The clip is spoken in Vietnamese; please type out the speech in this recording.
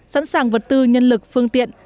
sẵn sàng vật tư nhân lực phương tiện